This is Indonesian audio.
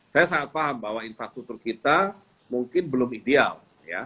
saya sangat paham bahwa infrastruktur kita mungkin belum ideal